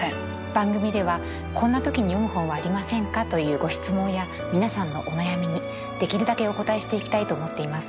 番組では「こんな時に読む本はありませんか？」というご質問や皆さんのお悩みにできるだけお応えしていきたいと思っています。